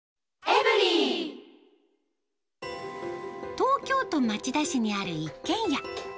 東京都町田市にある一軒家。